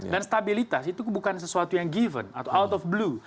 dan stabilitas itu bukan sesuatu yang given atau out of blue